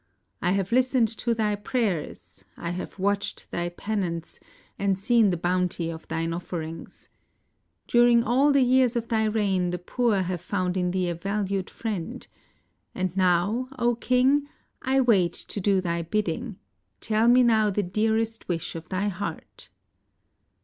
I have listened to thy prayers; I have watched thy penance, and seen the bounty of thine offerings. During all the years of thy reign the poor have found in thee a valued friend, and now, 0 King! I wait to do thy bidding; tell II IXDL\ me now the dearest wish of thy heart."